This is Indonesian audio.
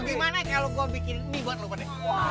gimana kalo gua bikin ini buat lu pade